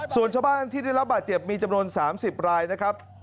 ส่วนชาวบ้านที่ได้รับบาดเจ็บมีจำนวน๓๐รายนะครับ